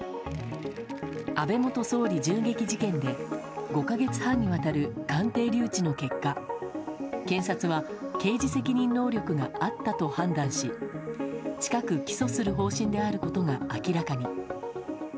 安倍元総理銃撃事件で５か月半にわたる鑑定留置の結果検察は刑事責任能力があったと判断し近く起訴する方針であることが明らかに。